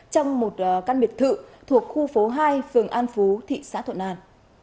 trong một căn biệt thự thuộc khu phố hai phường an phú thị xã thuận an